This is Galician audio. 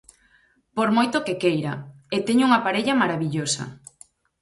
Por moito que queira, e teño unha parella marabillosa.